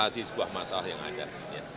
itu adalah sebuah masalah yang ada di dunia